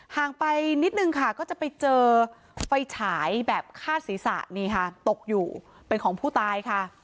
ห่างไปนิดนึงค่ะก็จะไปเจอไฟฉายแบบคาดศีรษะนี่ค่ะตกอยู่เป็นของผู้ตายค่ะ